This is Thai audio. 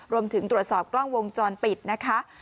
รวมถึงตรวจสอบกล้องวงจรปิดนะคะ